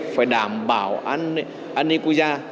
phải đảm bảo an ninh quốc gia